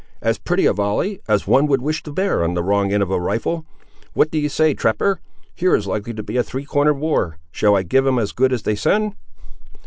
"As pretty a volley, as one would wish to bear on the wrong end of a rifle! What d'ye say, trapper! here is likely to be a three cornered war. Shall I give 'em as good as they send?"